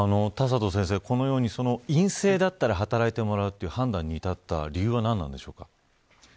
田里先生、このように陰性だったら働いてもらうという判断に至った理由は、なんですか。